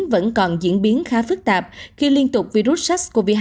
vẫn còn diễn biến khá phức tạp khi liên tục virus sars cov hai